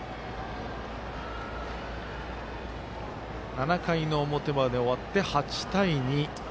７回の表まで終わって８対２。